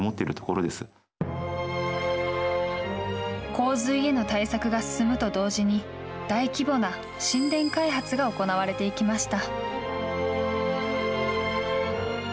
洪水への対策が進むと同時に大規模な新田開発が行われていきました。